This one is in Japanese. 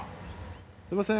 すみません